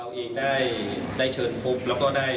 ภายในสัปดาห์หน้าค่ะ